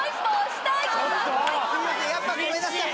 やっぱごめんなさい